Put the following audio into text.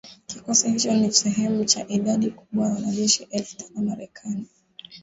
Kikosi hicho ni sehemu ya idadi kubwa ya wanajeshi elfu tano wa Marekani